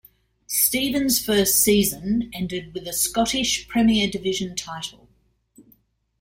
Stevens' first season ended with a Scottish Premier Division title.